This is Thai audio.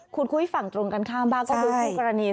ขุดคุ้ยฝั่งตรงกันข้างบ้างก็เป็นคู่กรณี